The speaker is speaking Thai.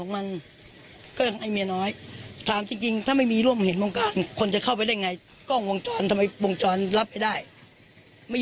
มันบอกว่าผู้ชายสองคนก็ไปแม่ยายกับเมียใหม่อยู่ในรถมาสัตย์คนวันที่ข้า